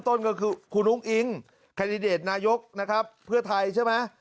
ต้นก็คือคุณอุ้งอิงแคนดิเดตนายกนะครับเพื่อไทยใช่ไหม